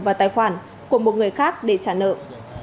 và tài khoản của một người khác để trả nợ